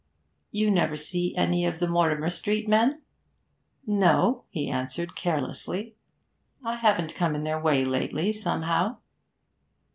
'You never see any of the Mortimer Street men?' 'No,' he answered carelessly, 'I haven't come in their way lately, somehow.'